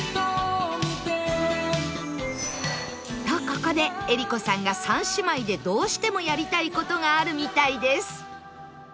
とここで江里子さんが３姉妹でどうしてもやりたい事があるみたいです